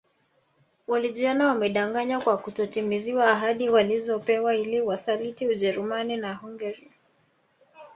Walijiona wamedanganywa kwa kutotimiziwa ahadi walizopewa ili Wasaliti Ujerumani na Hungaria